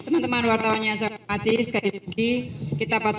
menteri luar negeri sebentar lagi akan memberikan konfirmasi pers sehat mau pagi